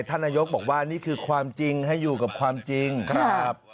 ท่านนายกบอกว่านี่คือความจริงให้อยู่กับความจริงครับ